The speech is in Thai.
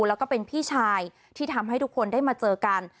แล้วก็เป็นพี่ชายที่ทำให้ทุกคนได้มาเจอกัน